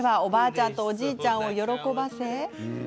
ちゃんとおじいちゃんを喜ばせ。